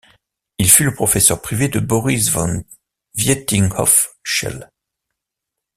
Il fut le professeur privé de Boris von Vietinghoff-Scheel.